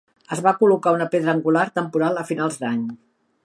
Es va col·locar una pedra angular temporal a finals d'any.